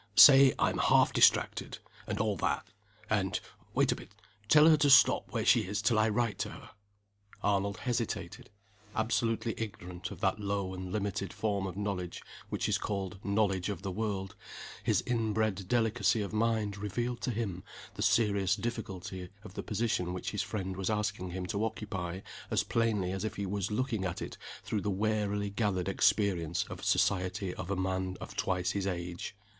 say I'm half distracted, and all that. And wait a bit tell her to stop where she is till I write to her." Arnold hesitated. Absolutely ignorant of that low and limited form of knowledge which is called "knowledge of the world," his inbred delicacy of mind revealed to him the serious difficulty of the position which his friend was asking him to occupy as plainly as if he was looking at it through the warily gathered experience of society of a man of twice his age.